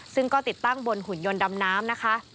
ซึ่งก็ติดตั้งบนหุ่นยนต์ดำน้ำนะคะ